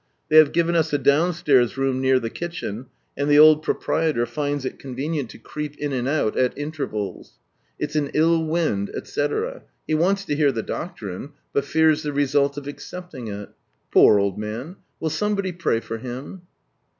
They have given us a downstairs room near the kitchen, and the old proprietor finds it convenient to creep in and out at intervals. " It's an ill wind," etc. ! He wants lo hear the doctrine, but fears the result of accepting it. Poor old man. Will somebody pray for him?